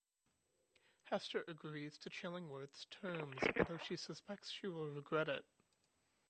Hester agrees to Chillingworth's terms although she suspects she will regret it.